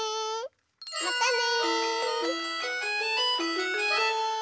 またね！